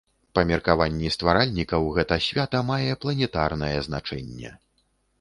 Па меркаванні стваральнікаў, гэта свята мае планетарнае значэнне.